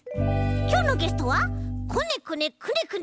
きょうのゲストはこねこねくねくね。